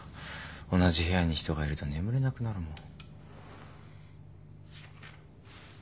同じ部屋に人がいると眠れなくなるもん。